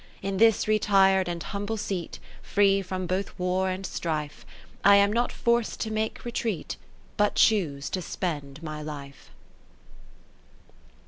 In this retir'd and humble seat Free from both war and strife, I am not forc'd to make retreat, But choose to spend my life.